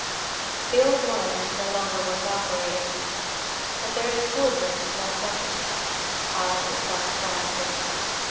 "The old mine is no longer worth operating; but there is silver in small quantities," Allard replied quietly.